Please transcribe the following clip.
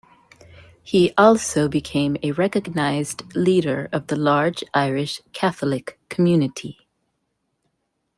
He also became a recognised leader of the large Irish Catholic community.